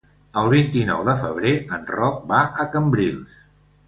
El vint-i-nou de febrer en Roc va a Cambrils.